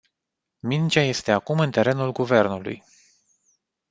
Mingea este acum în terenul guvernului.